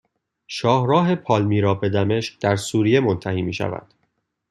شاهراه پالمیرا به دمشق در سوریه منتهی میشود